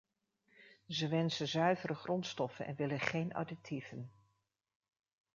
Ze wensen zuivere grondstoffen en willen geen additieven.